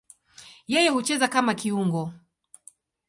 Yeye hucheza kama kiungo.